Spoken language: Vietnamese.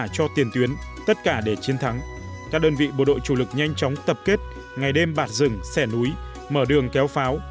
công vị bộ đội chủ lực nhanh chóng tập kết ngày đêm bạt rừng xẻ núi mở đường kéo pháo